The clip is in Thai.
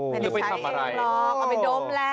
ไม่ได้ใช้เองหรอกเอาไปดมแล